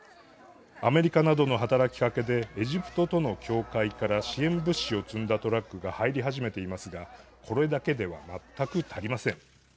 アメリカなどの働きかけでエジプトとの境界から支援物資を積んだトラックが入り始めていますがこれだけでは全く足りません。